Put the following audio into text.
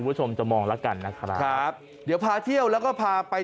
คุณผู้ชมจะมองแล้วกันนะครับครับเดี๋ยวพาเที่ยวแล้วก็พาไป